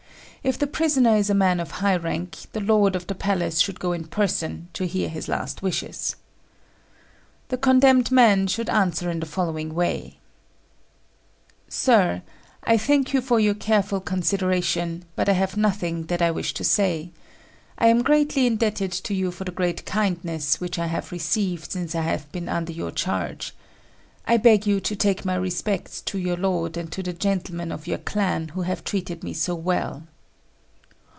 If the prisoner is a man of high rank, the lord of the palace should go in person to hear his last wishes. The condemned man should answer in the following way "Sir, I thank you for your careful consideration, but I have nothing that I wish to say. I am greatly indebted to you for the great kindness which I have received since I have been under your charge. I beg you to take my respects to your lord and to the gentlemen of your clan who have treated me so well."